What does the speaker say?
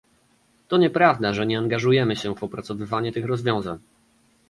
To nieprawda, że nie angażujemy się w opracowywanie tych rozwiązań